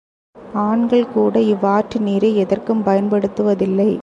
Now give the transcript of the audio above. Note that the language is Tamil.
ஆண்கள்கூட இவ்வாற்று நீரை எதற்கும் பயன்படுத்துவதில்லை.